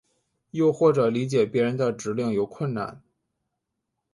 又或者理解别人的指令有困难。